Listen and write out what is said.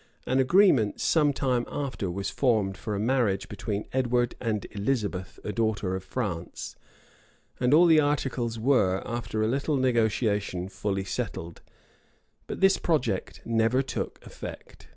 An agreement some time after was formed for a marriage between Edward and Elizabeth, a daughter of France; and all the articles were, after a little negotiation, fully settled:[] but this project never took effect.